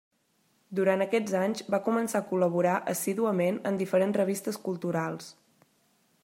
Durant aquests anys va començar a col·laborar assíduament en diferents revistes culturals.